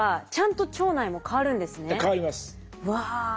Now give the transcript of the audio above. うわ。